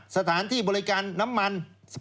สถานที่บริการน้ำมัน